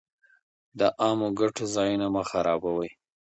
د عامه ګټو ځایونه مه خرابوئ.